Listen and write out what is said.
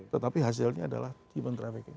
tetapi hasilnya adalah human trafficking